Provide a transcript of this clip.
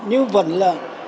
nhưng vẫn là